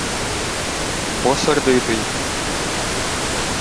— Бо сердитий.